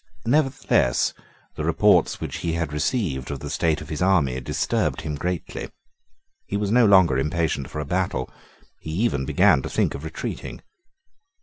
Nevertheless the reports which he had received of the state of his army disturbed him greatly. He was now no longer impatient for a battle. He even began to think of retreating.